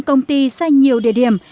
công ty sang nhiều địa điểm